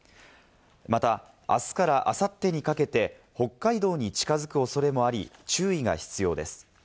また、あすからあさってにかけて北海道に近づく恐れもあり、注意が必要です。